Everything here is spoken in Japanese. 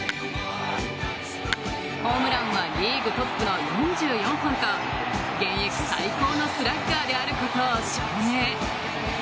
ホームランはリーグトップの４４本と現役最高のスラッガーであることを証明。